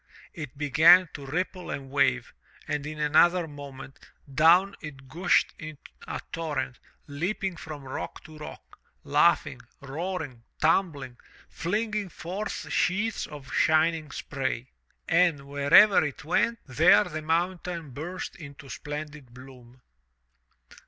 it began to ripple and wave, and in another moment, down it gushed in a torrent, leaping 382 THROUGH FAIRY HALLS from rock to rock, laughing, roaring, tumbling, flinging forth sheets of shining spray. And wherever it went, there the mountain burst into splendid bloom.